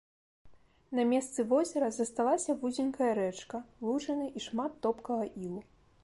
На месцы возера засталася вузенькая рэчка, лужыны і шмат топкага ілу.